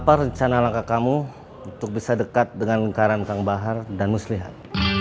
apa rencana langkah kamu untuk bisa dekat dengan lingkaran kang bahar dan muslihat